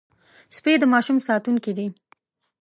سپي د ماشوم ساتونکي دي.